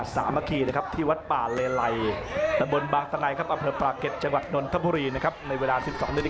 ขอบคุณครับวันด้านด้านเร็วเดี่ยวยกสิบที